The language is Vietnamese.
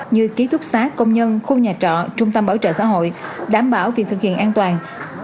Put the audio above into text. như ký túc xác công nhân khu nhà trọ trung tâm bảo trợ xã hội đảm bảo việc thực hiện an toàn